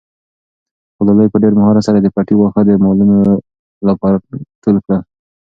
ګلالۍ په ډېر مهارت سره د پټي واښه د مالونو لپاره ټول کړل.